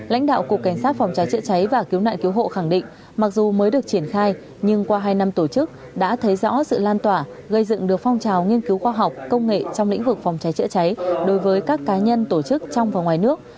lãnh đạo cục cảnh sát phòng cháy chữa cháy và cứu nạn cứu hộ khẳng định mặc dù mới được triển khai nhưng qua hai năm tổ chức đã thấy rõ sự lan tỏa gây dựng được phong trào nghiên cứu khoa học công nghệ trong lĩnh vực phòng cháy chữa cháy đối với các cá nhân tổ chức trong và ngoài nước